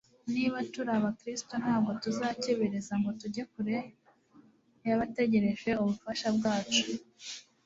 Niba turi abakristo ntabwo tuzakebereza ngo tujye kure y'abategereje ubufasha bwacu.